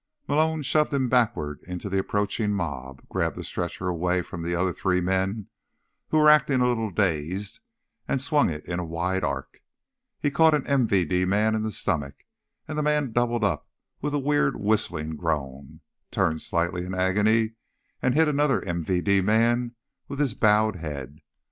Malone shoved him backward into the approaching mob, grabbed the stretcher away from the other three men, who were acting a little dazed, and swung it in a wide arc. He caught an MVD man in the stomach, and the man doubled up with a weird whistling groan, turned slightly in agony, and hit another MVD man with his bowed head.